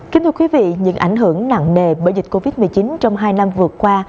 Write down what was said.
kính thưa quý vị những ảnh hưởng nặng nề bởi dịch covid một mươi chín trong hai năm vừa qua